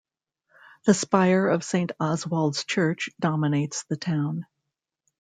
The spire of Saint Oswald's Church dominates the town.